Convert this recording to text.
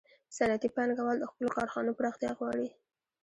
صنعتي پانګوال د خپلو کارخانو پراختیا غواړي